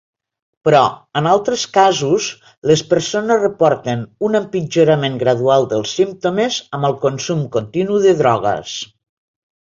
Però, en altres casos, les persones reporten un empitjorament gradual dels símptomes amb el consum continu de drogues.